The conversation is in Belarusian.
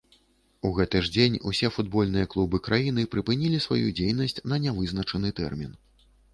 У гэты ж дзень усе футбольныя клубы краіны прыпынілі сваю дзейнасць на нявызначаны тэрмін.